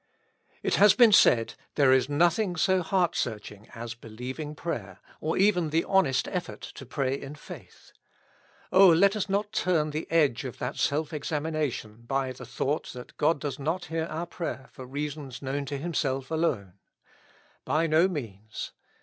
It has been said : There is nothing so heart search ing as believing prayer, or even the honest effort to pray in faith. O let us not turn the edge of that self examination by the thought that God does not hear our prayer for reasons known to Himself alone. By no means.